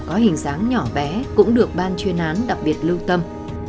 có hình dáng nhỏ bé cũng được ban chuyên án đặc biệt lưu tâm